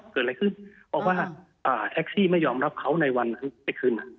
เกิดอะไรขึ้นเพราะว่าแท็กซี่ไม่ยอมรับเขาในวันไปคืน